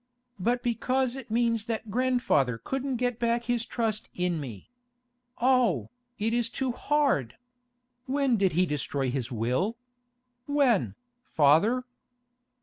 But because it means that grandfather couldn't get back his trust in me. Oh, it is too hard! When did he destroy his will? When, father?